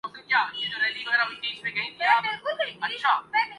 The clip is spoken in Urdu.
ملک میں بیروزگاری اور مفلسی کا دور دورہ ہو